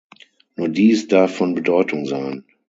Nur dies darf von Bedeutung sein.